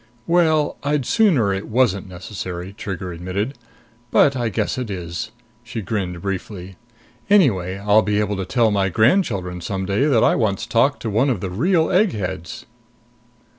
"Well, I'd sooner it wasn't necessary," Trigger admitted. "But I guess it is." She grinned briefly. "Anyway, I'll be able to tell my grandchildren some day that I once talked to one of the real egg heads!"